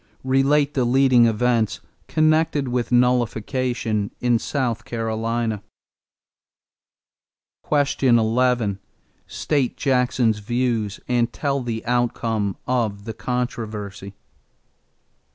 Relate the leading events connected with nullification in South Carolina. 11. State Jackson's views and tell the outcome of the controversy.